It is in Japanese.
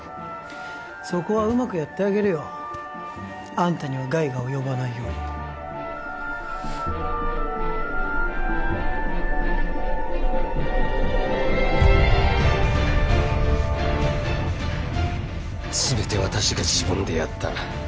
そこはうまくやってあげるよあんたには害が及ばないように全て私が自分でやった